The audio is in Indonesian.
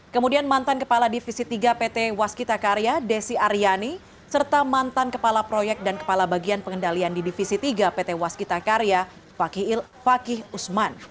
kemudian mantan kepala divisi tiga pt waskita karya desi aryani serta mantan kepala proyek dan kepala bagian pengendalian di divisi tiga pt waskita karya fakih usman